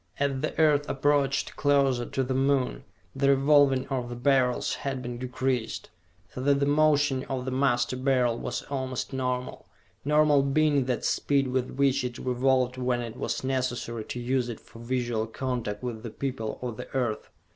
As the Earth approached closer to the Moon, the revolving of the Beryls had been decreased, so that the motion of the Master Beryl was almost normal normal being that speed with which it revolved when it was necessary to use it for visual contact with the people of the Earth.